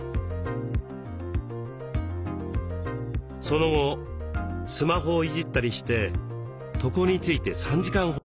その後スマホをいじったりして床について３時間ほどが経過。